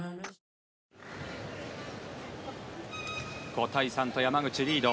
５対３と山口リード。